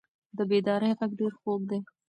د بیدارۍ غږ ډېر خوږ دی.